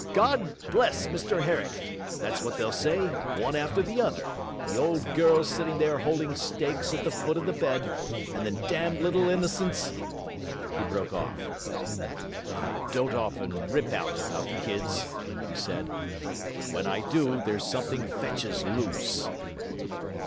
"God bless Mr Herrick!" that's what they'll say, one after the other, the old girl sitting there holding stakes at the foot of the bed, and the damned little innocents.. . He broke off. 'I don't often rip out about the kids,' he said; 'but when I do, there's something fetches loose.'